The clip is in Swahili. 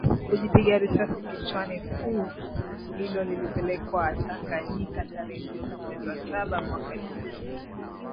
kujipiga risasi kichwaniFuvu hilo lilipelekwa Tanganyika tarehe tisa mwezi wa saba mwaka elfu